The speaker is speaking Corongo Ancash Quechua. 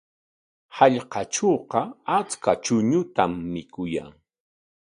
Hallqatrawqa achka chuñutam mikuyan.